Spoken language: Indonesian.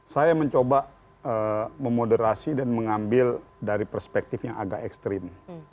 saya mencoba memoderasi dan mengambil dari perspektif yang agak ekstrim